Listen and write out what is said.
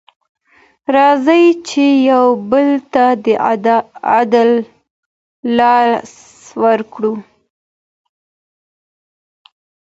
راځئ چي یو بل ته د عدل لاس ورکړو.